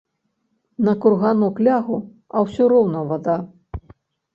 На курганок лягу, а ўсё роўна вада.